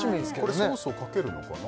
これソースをかけるのかな？